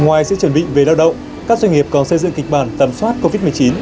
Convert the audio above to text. ngoài sự chuẩn bị về lao động các doanh nghiệp còn xây dựng kịch bản tầm soát covid một mươi chín